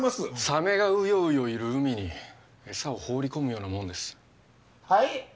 サメがウヨウヨいる海に餌を放り込むようなものですはい？